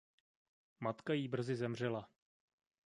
Matka jí brzy zemřela.